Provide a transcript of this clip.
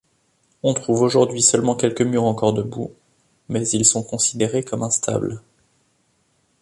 On trouve aujourd'hui seulement quelques murs encore debout, mais ils sont considérés comme instables.